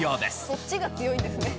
そっちが強いんですね。